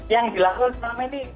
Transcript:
yang dilakukan selama ini